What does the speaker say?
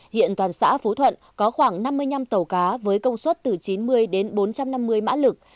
hiện toàn xã phú thuận có khoảng năm mươi năm tàu cá với công suất từ chín mươi đến bốn trăm năm mươi mã lực